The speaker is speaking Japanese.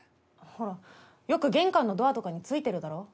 ほらよく玄関のドアとかに付いてるだろ。